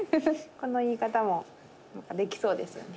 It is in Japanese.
この言い方も何かできそうですよね。